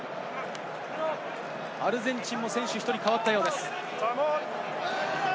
アルゼンチンも選手１人、代わったようです。